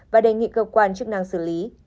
và đề nghị cơ quan chức năng xử lý